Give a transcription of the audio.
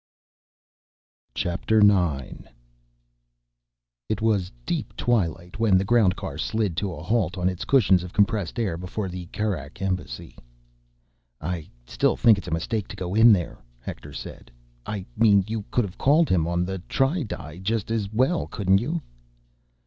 IX It was deep twilight when the groundcar slid to a halt on its cushion of compressed air before the Kerak Embassy. "I still think it's a mistake to go in there," Hector said. "I mean, you could've called him on the tri di just as well, couldn't you?"